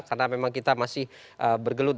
karena memang kita masih bergelut